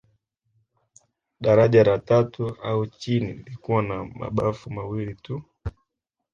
Daraja la tatu au la chini lilikuwa na mabafu mawili tu